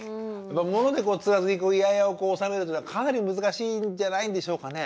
モノで釣らずにイヤイヤを収めるっていうのはかなり難しいんじゃないんでしょうかね。